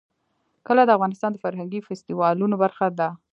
کلي د افغانستان د فرهنګي فستیوالونو برخه ده.